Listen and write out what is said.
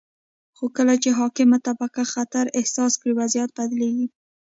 خو کله چې حاکمه طبقه خطر احساس کړي، وضعیت بدلیږي.